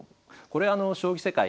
これあの「将棋世界」。